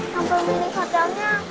sampai menikah hotelnya